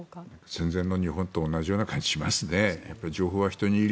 戦前の日本と同じような感じがしますね。